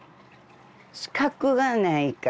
資格がないから。